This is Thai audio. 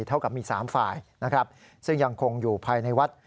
เท่ากับมี๓ฝ่ายนะครับซึ่งยังคงอยู่ภายในวัด